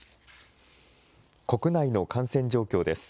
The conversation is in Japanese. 国内の感染状況です。